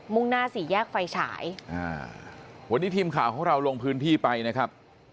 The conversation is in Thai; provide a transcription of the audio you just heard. ่งหน้าสี่แยกไฟฉายอ่าวันนี้ทีมข่าวของเราลงพื้นที่ไปนะครับ